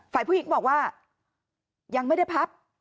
ฝ่ายผู้หญิงบอกว่ายังไม่ได้พับ